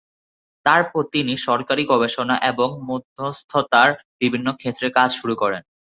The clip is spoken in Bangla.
তারপর তিনি সরকারি গবেষণা এবং মধ্যস্থতার বিভিন্ন ক্ষেত্রে কাজ শুরু করেন।